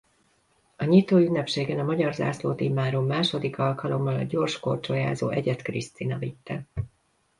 A nyitóünnepségen a magyar zászlót immáron második alkalommal a gyorskorcsolyázó Egyed Krisztina vitte.